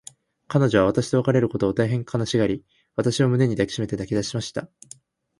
彼女は私と別れることを、大へん悲しがり、私を胸に抱きしめて泣きだしました。